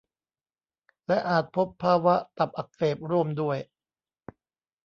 และอาจพบภาวะตับอักเสบร่วมด้วย